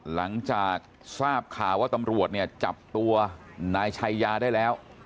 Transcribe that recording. หลังจากทราบข่าวว่าตำรวจเนี่ยจับตัวนายชัยยาได้แล้ว